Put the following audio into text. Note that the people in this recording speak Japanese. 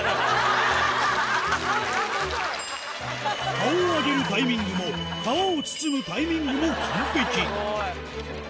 顔を上げるタイミングも、皮を包むタイミングも完璧。